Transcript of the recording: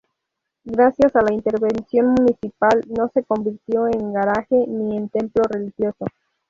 Gracias a la intervención municipal, no se convirtió en garage ni en templo religioso.